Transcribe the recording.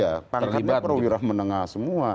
ya panahnya pro wira menengah semua